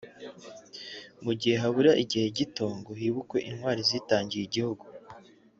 Mu gihe habura igihe gito ngo hibukwe intwari zitangiye igihugu